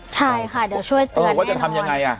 ใช่ค่ะเดี๋ยวช่วยเตือนแน่นอนเออว่าจะทำยังไงฮะ